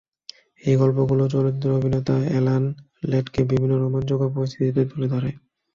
এই গল্পগুলো চলচ্চিত্র অভিনেতা অ্যালান ল্যাডকে বিভিন্ন রোমাঞ্চকর পরিস্থিতিতে তুলে ধরে।